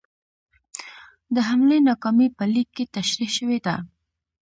د حملې ناکامي په لیک کې تشرېح شوې ده.